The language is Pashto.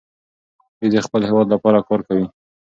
دوی د خپل هېواد لپاره کار کوي.